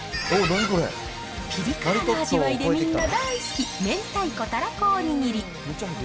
ピリ辛な味わいでみんな大好き、明太子・たらこおにぎり。